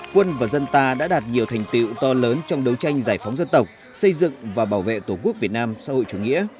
quân và dân ta đã đạt nhiều thành tiệu to lớn trong đấu tranh giải phóng dân tộc xây dựng và bảo vệ tổ quốc việt nam xã hội chủ nghĩa